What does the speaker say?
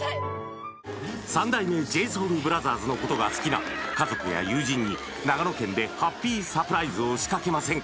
三代目ＪＳＯＵＬＢＲＯＴＨＥＲＳのことが好きな家族や友人に長野県でハッピーサプライズを仕掛けませんか？